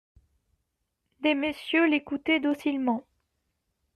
Des messieurs l'écoutaient docilement.